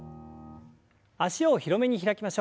脚を広めに開きましょう。